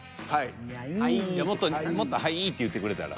もっと「はい」って言ってくれたら。